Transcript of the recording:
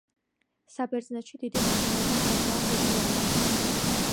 საბერძნეთში დიდი მნიშვნელობა ჰქონდა ამ რიტუალებს.